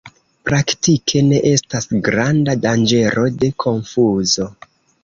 Praktike ne estas granda danĝero de konfuzo.